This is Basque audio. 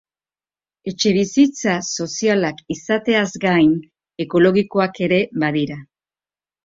Etxebizitza sozialak izateaz gain, ekologikoak ere badira.